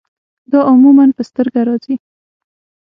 دا عموماً پۀ سترګه راځي